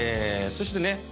そしてね。